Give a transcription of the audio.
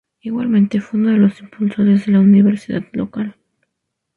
Igualmente fue uno de los impulsores de la universidad local.